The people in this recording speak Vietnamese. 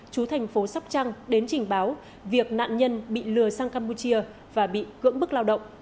chú thành phố sóc trăng đến trình báo việc nạn nhân bị lừa sang campuchia và bị cưỡng bức lao động